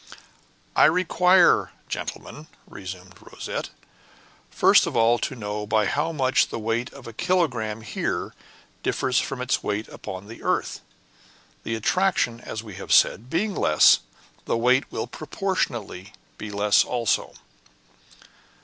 "I require, gentlemen," resumed Rosette, "first of all to know by how much the weight of a kilogramme here differs from its weight upon the earth; the attraction, as we have said, being less, the weight will proportionately be less also."